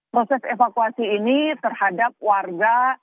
proses evakuasi ini terhadap warga